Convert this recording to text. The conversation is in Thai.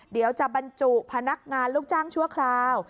เดี๋ยวจะบรรจุพนักงานลูกจ้างชั่วคราว